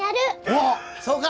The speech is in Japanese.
おおそうか！